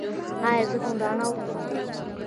ایا زه هندواڼه وخورم؟